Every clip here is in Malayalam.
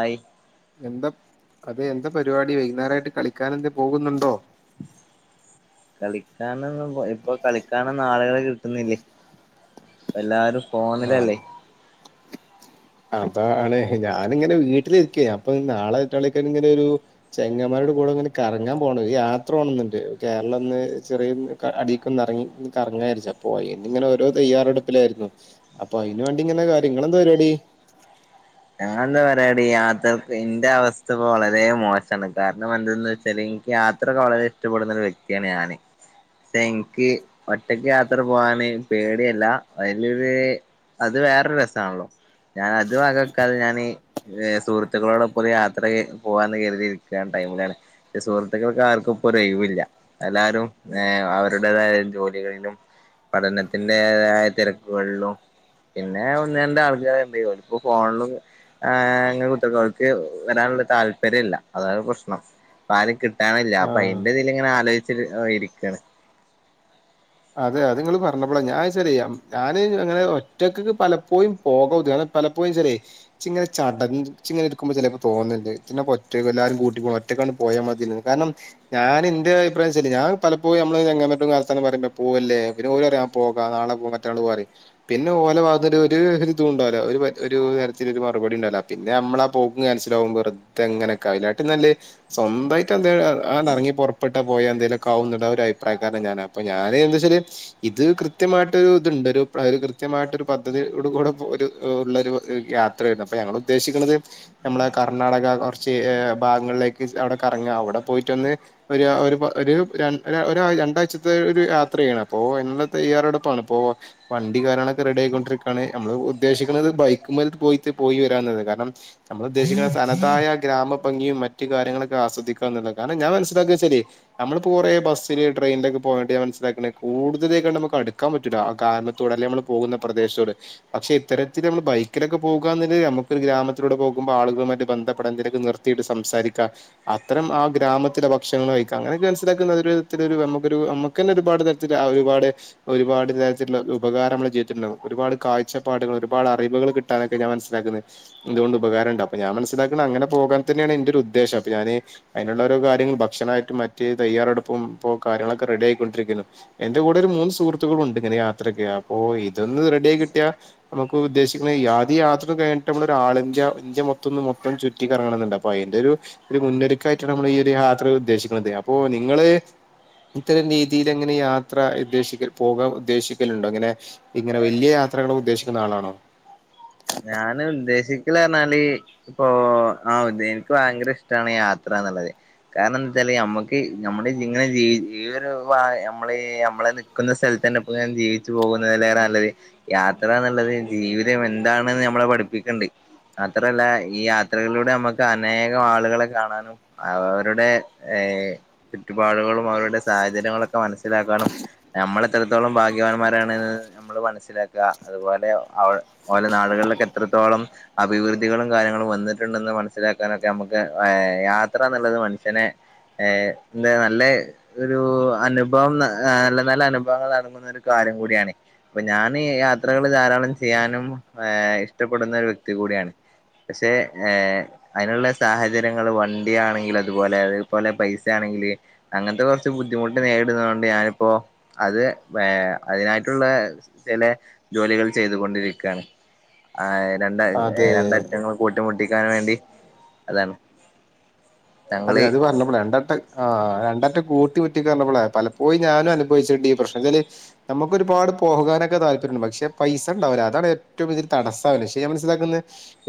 ആയി. എന്താ അതെ എന്താ പരിപാടി വൈകുന്നേരായിട്ട് കളിക്കാനെന്തെ പോകുന്നുണ്ടോ. കളിക്കാനൊന്ന് ഇപ്പൊ കളിക്കാനൊന്ന് ആളുകള് കിട്ടുന്നില്ലേ. എല്ലാരും ഫോണിലല്ലേ. അപ്പ ആണ് ഞാനിങ്ങനെ വീട്ടിലിരിക്ക അപ്പൊ നാളെറ്റാളൊക്കെ ഇങ്ങനെ ഒരു. ചെങ്ങമാരുടെ കൂടെ ഇങ്ങനെ കറങ്ങാൻ പോണം യാത്ര പോണം എന്നണ്ട് കേരളം എന്ന് ചെറിയ. അടിക്കൊന്നെറങ്ങി കറങ്ങാരിച്ച് അപ്പോ എന്നിങ്ങനെഓരോ തയ്യാറെടുപ്പിലായിരുന്നു. അപ്പൊ അയിന് വേണ്ടിങ്ങനെ കാര്യങ്ങൾ എന്താ പരിപാടി. ഞാ എന്താ പറയാ ഈ യാത്രർക്ക് എന്റെ അവസ്ഥ ഇപ്പോ വളരെ മോശാണ് കാരണം എന്തെന്ന് വെച്ചാല്. യാത്രൊക്കെ വളരെ ഇഷ്ടപ്പെടുന്ന ഒരു വ്യക്തിയാണ് ഞാന്. തെഎനിക്ക് ഒറ്റക്ക് യാത്ര പോകാന് പേടിയല്ല അതിലൊരു. അത് വേറൊരു രസാണല്ലോ ഞാൻ അത് വകവക്കാതെ ഞാനീ. ഏ സുഹൃത്തുക്കളോടൊപ്പം യാത്ര പോകന്ന് കരുതിരിക്കണ ടൈമിലാണ്. പക്ഷേ സുഹൃത്തുക്കൾക്ക് ആർക്കും ഇപ്പോരൊയിവില്ല. എല്ലാരും ഏ അവരുടേതായ ജോലികളിലും. പഠനത്തിന്റെതായ തിരക്കുകളിലും. പിന്നെ ഒന്നന്റെ ആൾക്കാരെ എന്ത്യ ഇപ്പ ഫോണിലും. ങ്ങനെ കുട്ട്യാൾക്ക് വരാനുള്ള താല്പര്യം ഇല്ല അതാണ് പ്രശ്നം. അപ്പ ആലും കിട്ടാനില്ല അപ്പൊ ആഹ് അതിന്റെതിലിങ്ങനെ ആലോയിച്ചി ഇരിക്കാണ്. അതെ അത് ഇങ്ങള് പറഞ്ഞപ്പോള ഞാൻ ശരി ഞാന് അങ്ങനെ ഒറ്റക്ക്ക്ക് പലപ്പോഴും. പോകെ [unintelligible] കാരണം പലപ്പോഴുംച്ചാലെ. ച്ചിങ്ങനെ ചട ചിങ്ങനെ എടുക്കുമ്പോ ചെലപ്പോ തോന്നുന്നുണ്ട് പിന്നെ പറ്റ എല്ലാവരും കൂട്ടി. റ്റക്കങ്ങട് പോയാ മതിന്ന്റഞ് കാരണം ഞാന് എന്റെ അഭിപ്രായംശരി ഞാ പലപ്പോയി ഞമ്മളങ്ങനെ [unintelligible] പോവല്ലേ പിന്നെഓര് പറയും ആ പോകാം നാളെ പോക മറ്റന്നാള് പോകറയും. പിന്നെ ഓല ഭാകത്ത്ന്നൊരു ഒരുരിതും ഉണ്ടാവൂല ഒരു ഒരു തരത്തിലൊരു മറുപടിണ്ടാവുല. പിന്നെ നമ്മളാ പോക്കും ക്യാൻസലാവും വെറുതെങ്ങനെയൊക്കെ അയിലാട്ടും നല്ലെ സ്വന്തായിട്ട് എന്തെ ആണ് എറങ്ങി പുറപ്പെട്ട പോയാ എന്തേലുംക്കാവുന്നുണ്ട ഒരു അഭിപ്രായക്കാരനാ ഞാനപ്പോ ഞാന് ന്തച്ചാല്. ഇത് കൃത്യമായിട്ടൊരു ഇതുണ്ട് ഒരു ഒരു കൃത്യമായിട്ടൊരു പദ്ധതിയോട് കൂടെ ഒരു ഉള്ള ഒരു യാ ത്രായിട്ട് അപ്പൊ ഞങ്ങൾ ഉദ്ദേശിക്കണത്. ഞമ്മള കർണ്ണാടക കുറച്ച് ഭാഗങ്ങളിലേക്ക് അവിടെ കറങ്ങ അവിടെ പോയിട്ടൊന്ന്. ഒരു, ഒരുപൊ, ഒരു ഒരാഴ്, രണ്ടാഴ്ചത്തെ ഒരു യാ ത്രയാണ് അപ്പോ എല്ല തയ്യാറെടുപ്പാണ് ഇപ്പോ. വണ്ടി കാരണൊക്കെ റെഡി ആയിക്കൊണ്ടിരിക്കാണ് നമ്മള് ഉദ്ദേശിക്കണത് ബൈക്ക് മേലക്കേ പോയിട്ട് പോയി വരാന്നത് കാരണം. നമ്മൾ ഉദ്ദേശിക്കുന്ന തനതായ ഗ്രാമഭംഗിയും മറ്റു കാര്യങ്ങളൊക്കെ ആസ്വദിക്കന്നുള്ള കാരണം ഞാൻ മനസ്സിലാക്കുക ശരി. നമ്മള് കുറേ ബസ്സില് ട്രെനിലൊക്കെ പോവേണ്ടി [unintelligible] കൂടുതലേക്കങ്ങട് നമക്ക് അടുക്കാൻ പറ്റൂല ആ കാരണത്തോട് അല്ലെ നമ്മള് പോകുന്ന പ്രദേശത്തോട്. പക്ഷെ ഇത്തരത്തില് നമ്മള് ബൈക്കിലൊക്കെ പോകാന്ന്ല് നമുക്ക് ഒരു ഗ്രാമത്തിലൂടെ പോക്മ്പ ആളുകളുമായിട്ട് ബന്ധപ്പെടാൻ ന്തെലുക്കെ നിർ ത്തിട്ട് സംസാരിക്ക. അത്തരം ആ ഗ്രാമത്തിലെ ഭക്ഷണങ്ങൾ കഴിക്ക അങ്ങനെയൊക്കെ മനസ്സിലാക്കുന്നതൊരുവിധത്തിലൊരു നമുക്കൊരു നമ ക്കന്നെ ഒരുപാട് തരത്തില് ആ ഒരുപാട് ഒരുപാട് തരത്തിലുള്ള ഉപകാരമ്മൾ ജീവിതത്തിൽണ്ടാകും. ഒരുപാട് കാഴ്ചപ്പാടുകൾ, ഒരുപാടറിവുകൾ കിട് ട്ടാനൊക്കെ ഞാൻ മൻസ്സിലാക്കുന്നത് ഇതോണ്ട് ഉപകാരണ്ട് അപ്പ ഞാൻ മൻസിലാക്കണങ്ങനെ പോകാൻ തന്നെയാണ് ഇന്റൊരുദ്ദേശം, അപ്പ ഞാന് അയ്ന്ള്ളോരോ കാര്യങ്ങൾ ഭക്ഷണായിട്ടും മറ്റ് തയ്യാറെടുപ്പും ഇപ്പൊ കാര്യങ്ങളൊക്കെ റെഡിയായി കൊണ്ടിരിക്കുന്നു. എന്റെ കൂടെ ഒരു മൂന്ന് സുഹൃത്തുക്കളുണ്ട് ഇങ്ങനെ യാത്രക്ക്. അപ്പോ ഇതൊന്ന് റെഡിആയി കിട്ടിയാ നമുക്ക് ഉദ്ദേശിക്കുന്ന യാദ്യ യാത്ര കഴിഞ്ഞട്ടമ്മളൊരാളിന്ത്യ ഇന്ത്യ മൊത്തൊന്ന് മൊത്തം ചു റ്റിക്കറങ്ങണന്ന്ണ്ട്. അപ്പയ്ന്റൊരു ഒരു മുന്നൊരുക്കായിട്ടാണ് അമ്മളീ ഒരു യാത്രയില് ഉദ്ദേശിക്കുന്നത് അപ്പോ നിങ്ങള് ഇത്തരം രീ തീലെങ്ങനെ യാത്ര ഉദ്ദേശിക്ക പോകാൻ ഉദ്ദേശിക്കലുണ്ടോ അങ്ങനെ ഇങ്ങനെ വല്യ യാത്രകൾ ഉദ്ദേശിക്കുന്ന ആളാണോ ഞാന് ഉദ്ദേശിക് ക്ക്ണർഞ്ഞാല് ഇപ്പോ ആഹ് ഉദേ ഇൻക്ക് ഭയങ്കര ഇഷ്ട്ടാണ് യാത്രാന്ന്ള്ളത് കാരണന്തച്ചാല് നമ്മുക്ക് നമ്മുടെ ഇങ്ങനെ ജീ ഈ ഒരു വാ നമ്മള് നമ്മളെ നി ക്കുന്ന സ്ഥൽതന്നെപ്പൊങ്ങനെ ജീവിച്ചു പോകുന്നതിലേറെ നല്ലത് യാത്രാന്ന്ല്ലത് ജീവിതം എ എന്താണ്ന്ന് ഞമ്മളെ പഠിപ്പിക്ക്ണ്ട് മാത്രല്ല ഈ യാത്രകളിലൂടെ അമ്മക്ക് അനേകം ആളുകളെ കാണാനും അവരുടെ ഏഹ് ചുറ്റുപാകങ്ങളും അവരുടെ സാഹചര്യങ്ങളൊക്കെ മനസ്സിലാക്കാനും നമ്മളെത്രത്തോളം ഭാഗ്യവാന്മാരാണ്ന്ന് നമ്മള് മനസ്സിലാക്ക, അതുപോലെ അവ ഓലെ നാടുകളിലൊക്കെത്രത്തോളം അഭിവൃദ്ധികളും കാര്യങ്ങളും വന്നിട്ടുണ്ടെന്ന് മനസ്സിലാക്കാനൊക്കെ നമുക്ക് അയ് യാത്ര എന്ന്ള്ളത് മനുഷ്യനെ ഏയ് എന്താ നല്ല ഒരു അനുഭവം നല്ല നല്ല അനുഭവങ്ങളടങ്ങുന്ന ഒരു കാര്യം കൂടിയാണ് അപ്പൊ ഞാന് യാത്രകള് ധാരാളം ചെയ്യാനും ഏഹ് ഇഷ്ടപ്പെടുന്ന ഒരു വ്യക്തി കൂടിയാണ് പക്ഷേ ഏഹ് അയ്നുള്ള സാഹചര്യങ്ങള് വണ്ടിയാണെങ്കിലതുപോലെ അഹ്പോലെ പൈസേണെങ്കില് അങ്ങൻത്ത കൊർച്ച് ബുദ്ധിമുട്ട് നേരിട്ന്നോണ്ട് ഞാനിപ്പോ അത് ഏഹ് അയ്നായിട്ടുള്ള ചെല ജോലികൾ ചെയ്തുകൊണ്ടിരിക്കാണ് ആയ് രണ്ട് അത് രണ്ടറ്റങ്ങൾ കൂട്ടിമുട്ടിക്കാൻ വേണ്ടി അതാണ് അതെ ഞങ്ങള് അത് പർഞ്ഞപ്പള രണ്ടട്ട ആഹ് രണ്ടറ്റം കൂട്ടിമുറ്റിക്കാർണപ്പളാ പലപ്പോയും ഞാനും അനുഭവിച്ചിണ്ട് ഈ പ്രശ്നംച്ചാല് നമ്മുക്കൊരുപാട് പോകാനൊക്കെ താല്പര്യണ്ട്. പക്ഷെ പൈസണ്ടാവൂലാ അതാണ് ഏറ്റവും വല്യരു തടസ് - സാവല്. പക്ഷെ ഞാൻ മനസ്സിലാക്കുന്നത്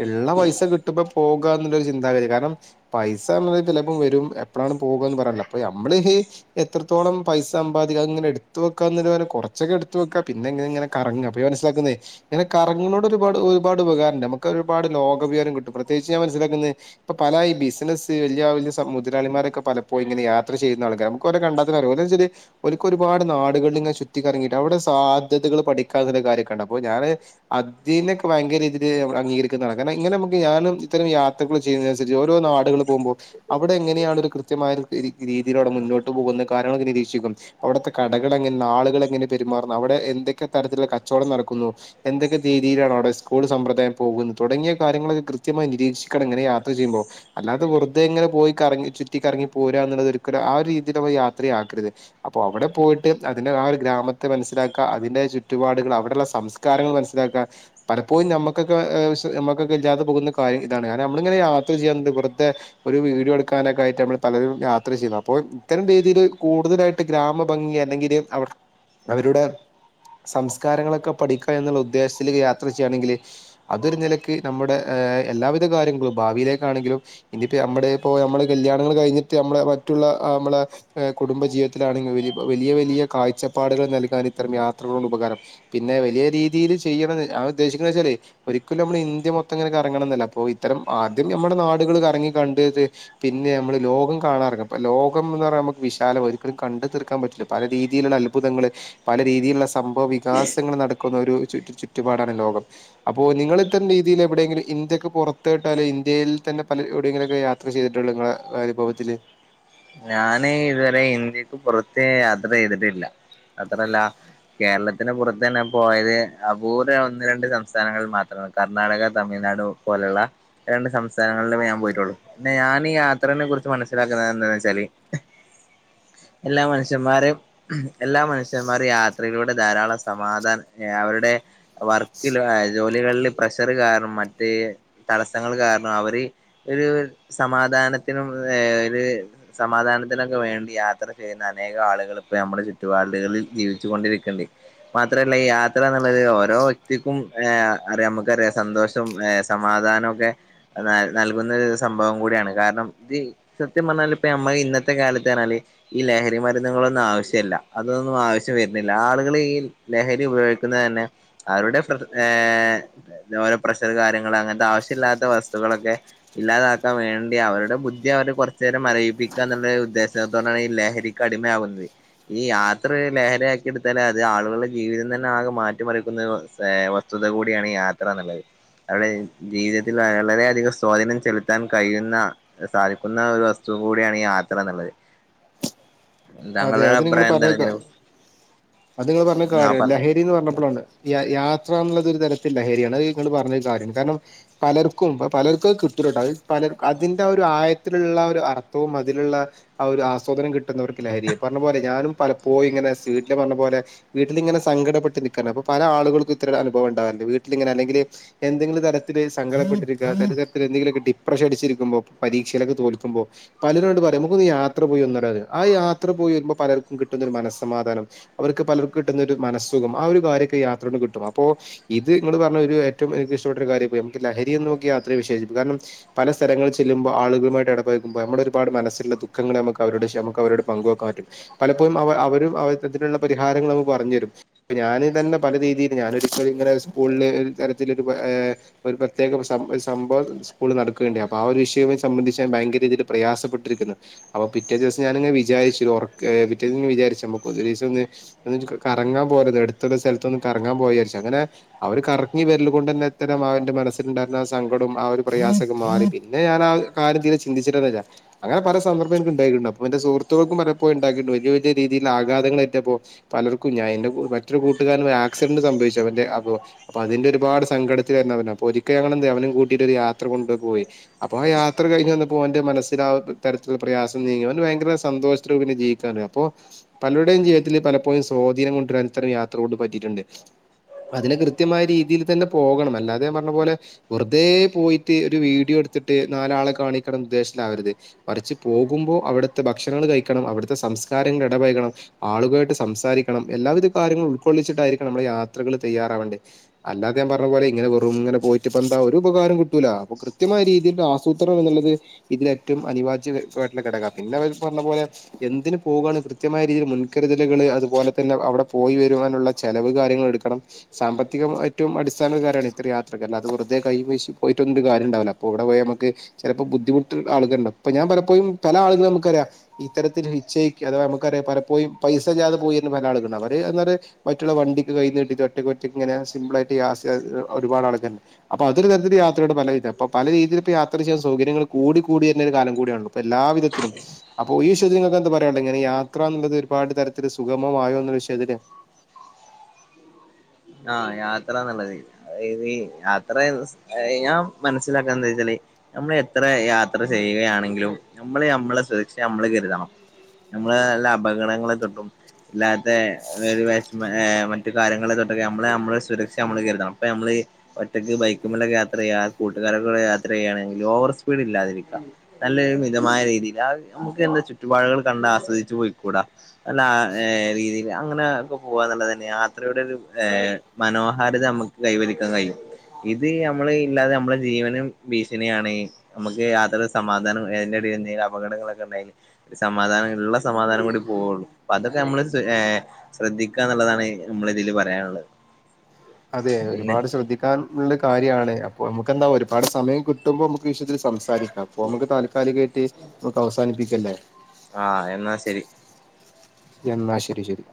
ഇള്ള പൈസ കിട്ടുമ്പ പോകാന്നുള്ളരു ചിന്താഗതി കാരണം പൈസ് സാർഞ്ഞത് ചെലേപ്പം വരും എപ്പളാണ് പോകാന്ന് പറാൻറ്റുല, അപ്പ നമ്മള് ഹി എത്രത്തോളം പൈസ സമ്പാദിക്ക അഹ്ങ്ങനെ എടുത്ത് വെക്കാ ന്നതുപോലെ കൊർച്ചൊക്കെ എടുത്ത് വെക്കാ പിന്നെങ്ങനെ കറങ്ങാ പ്പഞാൻ മനസ്സിലാക്കുന്നേ ങ്ങനെ കറങ്ങിനോട് ഒരുപാട് ഒരുപാട് ഉപകാരംണ്ട് നമ്മക്കൊരുപാട് ലോക വിവരം കിട്ടും പ്രത്യേകിച്ച്ഞാൻ മനസിലാക്കുന്നത് പ്പൊ പല ഈ ബിസിനസ്സ് വലിയ വലിയ മുതലാളിമാരൊക്കെ പലപ്പോയുങ്ങന യാത്ര ചെയ്യ്ന്നാ ൾക്കാര, അമ്മക്കോലെ കണ്ടാ തന്നെറിയാം ഓല്ച്ചാല് ഓൽക്ക് ഒരുപാട് നാടുകളില്ങ്ങനെ ചുറ്റി കറങ്ങിയിട്ട് അവിടെ സാധ്യതകൾ പഠിക്കാന്നുള്ള കാര്യക്കണ്ട് അപ്പോ ഞാന് അതിനൊക്കെ ഭയങ്കരീതിയിൽ അംഗീകരിക്കുന്നതാണ് കാരണം ഇങ്ങനെ നമുക്ക് ഞാനും ഇത്തരംയാത്ര ത്രകള് ചെയ്യുന്നതിനനുസരിച്ച് ഓരോ നാടുകളും പോകുമ്പൊ അവിടെങ്ങനെയാണ് ഒരു കൃത്യമായ രീതിയിലവിടെ മുന്നോട്ട് പോകുന്ന കാരണങ്ങളൊക്കെ നിരീക്ഷിക്കും പ്പ അവിടത്തെ കടകളെങ്ങനെ ആളുകളെങ്ങനെ പെരുമാറുന്നു അവിടെ എന്തൊക്കെ തരത്തിലുള്ള കച്ചോടം നടക്കുന്നു എന്തൊക്കെ രീതിയിലാണവിടെ സ്കൂൾ സമ്പ്രദായം പോകുന്നത് തുടങ്ങിയ കാര്യങ്ങളൊക്കെ കൃത്യമായി നിരീക്ഷിക്കണങ്ങനെ യാത്ര ചെയ്യുമ്പോ അല്ലാതെ വെറുതെങ്ങനെ പോയി കറങ്ങി ചുറ്റിക്കറങ്ങി പോരാ എന്നുള്ളത് ആ ഒരു രീതിയിൽ യാത്രയാക്കരുത് അപ്പൊ അവിടെ പോയിട്ട് അതിന്റെ ആ ഒരു ഗ്രാമത്തെ മനസ്സിലാക്ക അതിന്റെ ചുറ്റുപാടുകൾ അവിടെള്ള സംസ് കാരങ്ങൾ മനസ്സിലാക്കാ പലപ്പോഴും നമ്മുക്കൊക്ക ഹേ ശേ നമക്കെ ല്ലാതെ പോകുന്ന കാര്യം ഇതാണ് കാരണം നമ്മളിങ്ങനെ യാത്ര ചെയ്യാതന്ന്ട്ട് തെ ഒരു വീഡിയോ എടുക്കാനൊക്കെയിട്ട് നമ്മൾ പലരും യാത്ര ചെയ്യുന്നത് അപ്പോ ഇത്തരം രീതിയിൽ കൂടുതലായിട്ട് ഗ്രാമ ഭംഗി അല്ലെങ്കില് അവ അവരുടെ സംസ്കാരങ്ങളൊക്കെ പഠിക്കാ ഏന്നുള്ള ഉദ്ദേശത്തിൽ യാത്ര ചെയ്യാണെങ്കില് അതൊരു നിലയ്ക്ക് നമ്മുടെ ഹേ എല്ലാവിധ കാര്യങ്ങളും ഭാവിയിലേക്കാണെങ്കിലും ഇനിയിപ്പോ നമ്മുടെ ഇപ്പോ നമ്മള് കല്യാണങ്ങൾ കഴിഞ്ഞിട്ട് നമ്മളെ മറ്റുള്ള അഹ് നമ്മളെ ഹേ കുടുംബജീവിതത്തിലാണെങ്കിൽ വലിയ വലിയ കാഴ്ചപ്പാടുകൾ നൽകാൻ ഇത്തരം യാത്രകളോട് ഉപകാരം പിന്നെ വലിയ രീതിയിൽ ചെയ്യണം അവൻ ഉദ്ദേശിക്ക വെച്ചാൽ ഒരിക്കലും നമ്മള് ഇന്ത്യ മൊത്തം ഇങ്ങനെ ഇറങ്ങണന്നല്ല അപ്പൊ ഇത്തരം ആദ്യം നമ്മുടെ നാടുകൾ കറങ്ങി കണ്ട് ഇത് പിന്നെ നമ്മള് ലോകം കാണാനിറങ്ങാ ലോകംന്ന് പറയാ നമുക്ക് വിശാല ഒരിക്കലും കണ്ട് തീർക്കാൻ പറ്റില്ലാ പല രീതിയിലുള്ള അത്ഭുതങ്ങള് പല രീതിയിലുള്ള സംഭവ വികാസങ്ങൾ നടക്കുന്ന ഒരു ചുറ്റു ചുറ്റുപാടാണ് ലോകം അപ്പോ നിങ്ങൾ ഇത്രം രീതിയിൽ എവിടെയെങ്കിലും ഇന്ത്യക്ക് പുറത്ത് വിട്ടാലെ ഇന്ത്യയിൽ തന്നെ പല എവിയെങ്കിലൊക്കെ യാത്ര ചെയ്തിട്ടുള്ളൂ നിങ്ങളെ അനുഭവത്തില് ഞാന് ഇതുവരെ ഇന്ത്യക്ക് പുറത്ത് യാത്ര ചെയ്തിട്ടില്ല അത്രല്ല കേരളത്തിന് പുറത്തന്നെ ന്ന പോയത് അപൂർവ ഒന്ന് രണ്ട് സംസ്ഥാനങ്ങളിൽ മാത്രാണ് കർണാടക തമിഴ്നാട് ഒ പോലുള്ള രണ്ട് സംസ്ഥാനങ്ങളിലേ ഞാൻ പോയിട്ടുള്ളൂ പിന്നെ ഞാൻ ഈ യാത്രനെ കുറിച്ച് മനസ്സിലാക്കുന്ന എന്താന് വെച്ചാ ല് എല്ലാ മനുഷ്യന്മാരെ എല്ലാ മനുഷ്യന്മാരും യാത്രയിലൂടെ ധാരാളം സമാധാനം ഹെ അവരുടെ വർക്കില് ഹെ ജോലികളിൽ പ്രഷർ കാരണം മറ്റേ തടസ്സങ്ങൾ കാരണം അവര് ഒരു സമാധാനത്തിനും ഏ ഒര് സമാധാനത്തിനൊക്കെ വേണ്ടി യാത്ര ചെയ്യുന്ന അനേകം ആളുകൾ ഇപ്പ നമ്മുടെ ചുറ്റുപാടുകളിൽ ജീവിച്ചു കൊണ്ടിരിക്കുന്നുണ്ട് മാത്രല്ല ഈ യാത്ര എന്നുള്ളത് ഓരോ വ്യക്തിക്കും ഹെ അറിയാം നമുക്കറിയാം സന്തോഷം ഹെ സമാധാനക്കെ നൽ നൽകുന്ന ഒരു സംഭവം കൂടിയാണ് കാരണം ഇത് സത്യം പറഞ്ഞാൽ ഇപ്പൊ നമ്മ ഇന്നത്തെ കാലത്ത് പറഞ്ഞാല് ഈ ലഹരി മരുന്നങ്ങളൊന്നും ആവശ്യല്ല അതൊന്നും ആവശ്യം വരുന്നില്ല ആളുകൾ ഈ ലഹരി ഉപയോഗിക്കുന്നത് തന്നെ അവരുടെ ഫ്ര ഹെ [unintelligible] ഓരോ പ്രഷർ കാര്യങ്ങൾ അങ്ങനത്തെ ആവശ്യഇല്ലാത്ത വസ്തുക്കളൊക്കെ ഇല്ലാതാക്കാൻ വേണ്ടി അവരുടെ ബുദ്ധി അവർ കുറച്ചു നേരം മരവി പ്പിക്ക ന്നുള്ള ഉദ്ദേശോതോണ്ടാണ് ഈ ലഹരിക്ക് അടിമയാവുന്നത് ഈ യാത്ര ഒരു ലഹരിയാക്കി എടുത്താലേ അത് ആളുകളുടെ ജീവിതം തന്നെ ആകെ മാറ്റിമറിക്കുന്ന [unintelligible] വസ്തുത കൂടിയാണ് യാത്ര നുള്ളത് അവിടെ ജീവിതത്തിൽ വളരെയധികം സ്വാധീനം ചെലുത്താൻ കഴിയുന്ന സാധിക്കുന്ന ഒരു വസ്തു കൂടിയാണ് ഈ യാത്രന്നുള്ളത് അതെ അത് നിങ്ങൾ പറഞ്ഞേക്കാം അത് നിങ്ങൾ പറഞ്ഞ കുറിച്ച് ആ കാര്യം പറഞ്ഞോ ലഹരി എന്ന് പറഞ്ഞപ്പോഴാണ് യാ യാത്രന്നുള്ളത് ഒരു തരത്തിൽ ലഹരിയാണ് അഹ് നിങ്ങൾ പറഞ്ഞത് കാര്യം കാരണം പലർക്കും അ പലർക്കും അത് കിട്ടുലട്ടോ അഹ് പലർ അതിൻ്റെ ഒരു ആയത്തിലുള്ള ഒരു അർത്ഥവും അതിലുള്ള ആ ഒരു ആസ്വാദനം കിട്ടുന്നവർക്ക് ലഹരിയ പറഞ്ഞ പോലെ ഞാനും പലപ്പോഴും ഇങ്ങനെ സിക്കെ പറഞ്ഞ പോലെ വീട്ടിലിങ്ങനെ സങ്കടപെട്ട് നിൽക്കാണ് അപ്പൊ പല ആളുകൾക്കും ഇത്തരം അനുഭവം ഇണ്ടാവറുണ്ട് വീട്ടിലിങ്ങെ അല്ലെങ്കില് എന്തെങ്കിലും തരത്തില് സങ്കടപ്പെട്ടിരിക്കുക തര തരത്തിൽ എന്തെിലൊക്കെ ഡിപ്രഷൻ അടിച്ചിരിക്കുമ്പോ പരീക്ഷയിലൊക്ക തോക്കുമ്പോ പലരും ണ്ട് പറയും നമുക്കൊന്ന് യാത്ര പോയി വന്നരെയും ആ യാത്ര പോയി വരുമ്പോൾ പലർക്കും കിട്ടുന്ന ഒരു മനസ്സമാധാനം അവർക്ക് പലർക്ക് കിട്ടുന്ന ഒരു മനസ്സുഖം ആ ഒരു കാര്യൊക്കെ യാത്ര കൊണ്ട് കിട്ടും അപ്പോ ഇത് നിങ്ങള് പറഞ്ഞ ഒരു ഏറ്റവും എനിക്ക് ഇഷ്ടപ്പെട്ട ഒരു കാര്യയി നമുക്ക് ലഹരിന്ന് നോക്ക യാത്രയെ വിശേശിപ്പിക്കാം കാരണം പല സ്ഥലൾ ചെല്ലുമ്പോ ആളുകളുമായിട്ട് ഇടപെഴുക്കുമ്പോ നമ്മള ഒരുപാട് മനസ്സിലുള്ള ദുഃഖ ങ്ങൾ നമുക്ക് അവരോട് അവരോട് പങ്കുവെക്കൻ പറ്റും പലപ്പോഴും അവ അവരും അവതിനുള്ള പരിഹാരങ്ങൾ നമുക്ക് പറഞ്ഞു തരും ഇപ്പ ഞാന് തന്നെ പല രീതിയിൽ ഞാനൊപ്പോ ഇങ്ങനെ സ്കൂളില തരത്തില ഒരു ഒരു പ്രത്യേക സംഭവം സ്കൂള് നടക്കുകണ്ട അപ്പൊ ആ ഒരു വിഷയ സംബന്ധിച്ച ഞാൻ ഭയങ്കര രീതിയിൽ പ്രയാസപ്പെട്ടിരിക്കുന്നു അപ്പൊ പിറ്റേ ദിവസം ഞാനിങ് വിചാരിച്ച് പിറ്റേ വിചാരിച്ച ഒരു ദിവസം ഒന്ന് കറങ്ങാ പോരുത് എടുത്തുള്ള സ്ഥലത്ത്ഒന്ന് കറങ്ങാൻ പോവ ജാരിച്ചു അങ്ങനെ ആ ഒര് കറങ്ങി വരല് കൊണ്ട് തന്നെ എത്തരം അവന്റെ മനസ്സിലുണ്ടായിരുന്ന ആ സങ്കടം ആ ഒരു പ്രയാസെ മാറി പിന്നെ ഞാൻ ആഹ് കാര്യ തീരെ ചിന്തിച്ചിട്ടന്നല്ല അങ്ങനെല സന്ദർഭം എനിക്ക് ഉണ്ടായിട്ടുണ്ട് അവന്റെ സുഹൃത്തുക്കൾക്കും പലപ്പോഴും ഉണ്ടായിട്ടണ്ട് വലിയ വലിയ രീതിൽ ആഘാതങ്ങൾ എറ്റപ്പോ പലർക്കും ഞാൻ എന്റെ മറ്റൊരു കൂട്ടുകാരൻ ആക്സിഡന്റ് സംഭവിച്ചു അവന്റെ അപ്പോ അപ്പൊ അതിന്റെ ഒരുപാട് സങ്കടത്തി വരുന്നവന് അപ്പോ ഒരിക്കല് ഞങ്ങൾ അവനും കൂട്ടിട്ട് ഒരു യാത്ര കൊണ്ട് പോയി അപ്പൊ ആ യാത്ര കഴിഞ്ഞ് വന്നപോ ഓന്റെ മനസ്സിലെ തരത്തിലുള്ള പ്രയാസം നീങ്ങവാൻ ഭയങ്കര സന്തോഷത്തില പിന്നെ ജീവിക്കാ അപ്പൊ പലരുടെയും ജീവിതത്തിത്തില് പലപ്പോഴും സ്വാധീനം കൊണ്ടുവരാൻ ഇത്തരം യാത്രയോട് പറ്റിയിട്ടുണ്ട് അതിന് കൃത്യമായ രീതിയിൽ തന്നെ പോകണം അല്ലാതെ ഞാൻ പറഞ്ഞ പോലെ വെറുതേ പോയിട്ട് ഒരു വീഡിയോ എടുത്തിട്ട് നാലാളെ കാണിക്കണം ഉദ്ദേശതിൽ ആവരുത് പറിച്ച് പോകുമ്പോൾ അവിടുത്തെ ഭക്ഷണങ്ങൾ കഴിക്കണം അവിടുത്തെ സംസ്കാരങ്ങള ഇടപഴകണം ആളുകളായിട്ട് സംസാരിക്കണം എല്ലാവിധ കാര്യങ്ങളും ഉൾക്കൊള്ളിച്ചിട്ടായിരിക്കണം നമ്മള് യാത്രകൾ തയ്യാറാവേണ്ടേ അല്ലാത ഞാൻ പറഞ്ഞ പോലെ ഇങ്ങനെ വെറുങ്ങനെ പോയിട്ടപ്പന്താ ഒരു ഉപകാരവും കിട്ടൂല അപ്പ കൃത്യമായരീതി സൂത്രം എന്നുള്ളത് ഇതില ഏറ്റവും അനിവാര്ജ്യമായിട്ടുള്ള ഘടകമാണ് പിന്നെ അവർ പറഞ്ഞ പോലെ എന്ന് പോകുകയാണ് കൃത്യമായ രീതിയിൽ മുൻകരുതലുകള് അതുപോലെ തന്നെ അവിടെ പോയി വരുവാനുള്ള ചെലവ് കാര്യങ്ങൾ എടുക്കണം സാമ്പത്തിക ഏറ്റവും അടിസ്ഥാനം കാര്യമാണ് ഇത്രയാത്രക്ക അല്ലാതെ വെറുതെ കൈ വീശി പോയിട്ടൊന്നും കാര്യംണ്ടാവില്ല അപ്പോൾ ഇവിടെ പോയാ നമുക്ക് ചിലപ്പോ ബുദ്ധിമുട്ട് ആളുകളുണ്ട് ഇപ്പ ഞൻ പലപ്പോഴും പല ആളുകളും നമുക്കറിയാം ഇത്തരത്തിൽ ഇചയ്ക്ക് അഥവാ നമുക്കറിയാം പലപ്പോഴും പൈസ ജാതെ പോയി പല ആളക്കണ്ട അവര് എ മറ്റുള്ള വണ്ടിക്ക് കയ് നീട്ടി ഒറ്റക്കൊറ്റക്ക് ഇങ്ങനെ സിമ്പിളായിട്ട് യാസ് ഒരുപാട് ആൾക്കാരുണ്ട് അപ്പൊ അതൊ രു തരത്തിൽ യാത്രയുടെ ഫലായിട്ട പ്പംപല രീതിൽ ഇപ്പോ യാത്ര ചെയ്യാൻ സകര്യങ്ങള് കൂടി കൂടിവരുന്ന ഒരു കാലം കൂടി യണല്ലോ ഇപ്പ എല്ലാവിധത്തിലും ഉം അപ്പൊ ഈ വിഷയത്തിൽ നിങ്ങൾക്ക് എന്തൊ പറയാനുണ്ടൊ ഇങ്ങനെ യാത്ര എന്നുള്ളത് ഒരുപാട് തരത്തില് സുഖമമായോ എന്നുള്ള വിഷയത്തില് ആഹ് യാത്ര ന്ന് ള്ളത് യാത്ര ഞാൻ മനസ്സിലാക്കാൻ എന്താ വച്ചാല്േ നമ്മൾ എത്ര യാത്ര ചെയ്യുകയാണെങ്കിലും നമ്മള് നമ്മളെ സുരക്ഷ നമ്മള് കരുതണം നമ്മള് നല്ലാ അപകടങ്ങളെ തൊട്ടും അല്ലാത്ത വിഷമം മറ്റു കാര്യങ്ങളെ തൊട്ടും നമ്മള് നമ്മള് സുരക്ഷ നമ്മള് കരുതണം അപ്പ നമ്മള് ഒറ്റയ്ക്ക് ബൈക്കുമലൊക്കെ യാത്ര ചെയ്യുക കൂട്ടുകാരെ കൂടെ യാത്ര ചെയ്യുകയാണെങ്കിൽ ഓവർ സ്പീഡ് ഇല്ലാതിരിക്കാം നല്ലൊരു മിതമായ രീതിയിൽ ആ നമുക്ക് എന്താ ചുറ്റുപാടുകൾ കണ്ട് ആസ്വദിച്ചു പോയിക്കൂടാ നല്ല രീതിയിൽ അങ്ങനെ ഒക്കെ പോക നുള്ളതന്നെ യാത്രയുടെ ഒരു ഏ മനോഹാരത നമുക്ക് കൈവരിക്കാൻ കഴിയും ഇത് നമ്മള് ഇല്ലാതെ നമ്മള ജീവനും ഭീഷണിയാണ് നമുക്ക് യാത്ര സമാധാനം അതിന്റെ അ എന്തെും അപകടങ്ങളൊക്കെ ഉണ്ടായല് സമാധാനം ഉള്ള സമാധാനം കൂടി പോവുള്ളു അപ്പൊ അതൊക്കെ നമ്മള് ഏ ശ്രദ്ധിക്ക എന്നുള്ളതാണ് നമ്മള ഇതിൽ പറയാനുള്ളത് അതെ പിന്നെ ഒരുപാട് ശ്രദ്ധി ക്കാൻ ഉള്ള കാര്യാണ് അപ്പോ നമുക്ക്ന്താ ഒരുപാട് സമയം കിട്ടുമ്പോ നമുക്ക് വിഷയത്തി സംസാരി അപ്പൊ നമുക്ക് താൽക്കാലികായിട്ട് നമുക്ക് അവസാനിപ്പിക്കല്ലേ ആഹ് എന്നാ ശരി എന്നാ ശരി ശരി